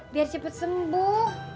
biar cepet sembuh